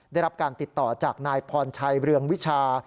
ได้รับการติดต่อจากนายพรชัยเรืองวิชา